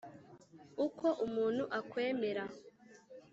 uko umuntu akwemera.